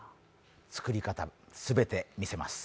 作り方、全て見せます。